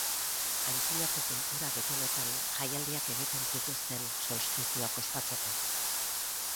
Antzinako kultura gehienetan, jaialdiak egiten zituzten solstizioak ospatzeko.